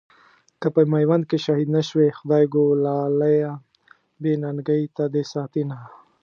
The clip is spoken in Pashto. که په ميوند کې شهيد نه شوې، خدایږو لاليه بې ننګۍ ته دې ساتينه